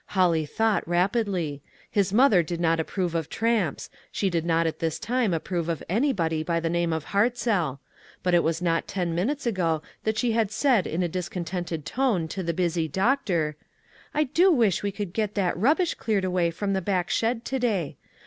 Holly thought rapidly ; his mother did not approve of tramps ; she did not at this time approve of anybody by the name of Hartzell ; but it was not ten minutes ago that she had said in a discontented tone to the busy doctor: "I do wish that we could get that rub bish cleared away from the back shed to day.